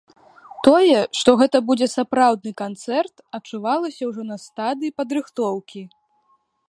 Тое, што гэта будзе сапраўдны канцэрт, адчувалася ўжо на стадыі падрыхтоўкі.